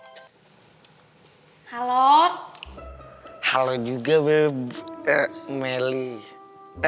soalnya kan kita sama mau ke acara resepsi pernikahannya pak amir sama bu donna